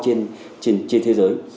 trên thế giới